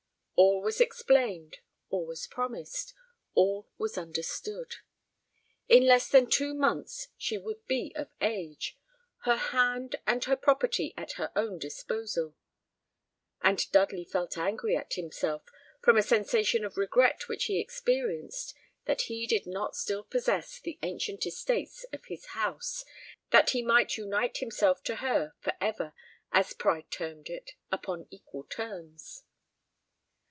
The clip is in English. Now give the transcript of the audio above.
All was explained, all was promised, all was understood. In less than two months she would be of age, her hand and her property at her own disposal; and Dudley felt angry at himself, from a sensation of regret which he experienced, that he did not still possess the ancient estates of his house, that he might unite himself to her for ever, as pride termed it, upon equal terms.